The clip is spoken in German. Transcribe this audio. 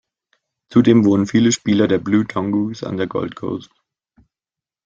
Zudem wohnen viele Spieler der Blue Tongues an der Gold Coast.